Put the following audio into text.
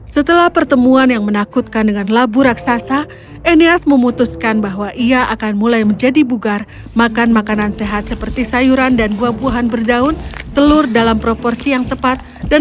setelah pertemuan yang menakutkan dengan labu raksasa enias memutuskan bahwa ia akan mulai menjadi bugar makan makanan sehat seperti sayuran dan buah buahan berdaun telur dalam proporsi yang tepat dan